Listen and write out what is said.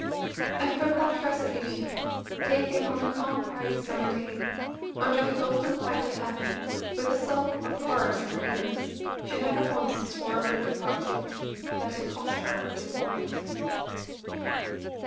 And from that resolution, taken on a calm, bright summer day, under the golden light of heaven, with the song of the birds in her ears, she never once swerved or departed, let it cost her what it might.